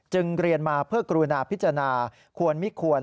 เรียนมาเพื่อกรุณาพิจารณาควรไม่ควร